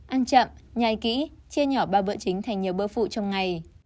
ăn chậm nhai kỹ chia nhỏ ba bữa chính thành nhiều bữa phụ trong ngày